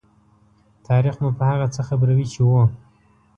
تاریخ مو په هغه څه خبروي چې وو.